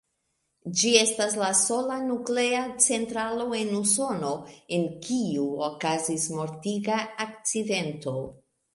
Ĝi estas la sola nuklea centralo en Usono, en kiu okazis mortiga akcidento.